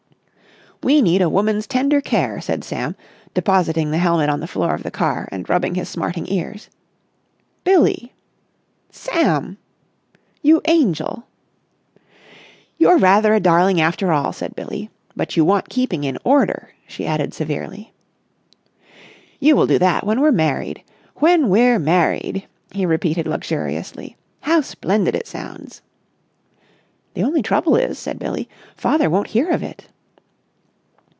"We need a woman's tender care," said Sam depositing the helmet on the floor of the car and rubbing his smarting ears. "Billie!" "Sam!" "You angel!" "You're rather a darling after all," said Billie. "But you want keeping in order," she added severely. "You will do that when we're married. When we're married!" he repeated luxuriously. "How splendid it sounds!" "The only trouble is," said Billie, "father won't hear of it."